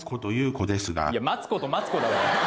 いや『マツコとマツコ』だろうが。